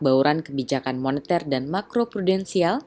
bauran kebijakan moneter dan makro prudensial